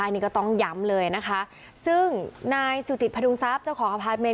นี่ก็ต้องย้ำเลยนะคะซึ่งนายสุจิตพดุงทรัพย์เจ้าของอพาร์ทเมน